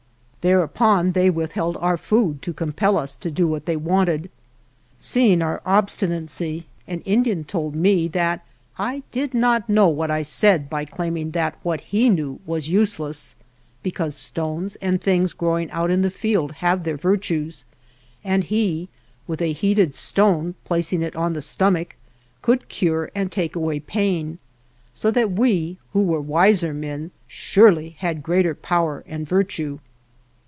Thereupon they withheld our food to compel us to do what they wanted. Seeing our obstinacy, an Indian told me that I did not know what I said by claiming that what he knew was useless, because stones and things growing out in the field have their virtues, and he, with a heated stone, placing it on the stomach, could cure and take away pain, so that we, who were wiser men, sure ly had greater power and virtue.